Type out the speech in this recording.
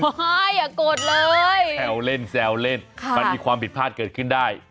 อย่าโกรธเลยแซวเล่นแซวเล่นมันมีความผิดพลาดเกิดขึ้นได้